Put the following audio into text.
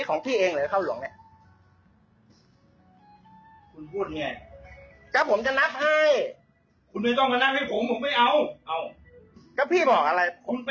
คุณไปแรกมาผมบอกว่าคุณไปแรกมา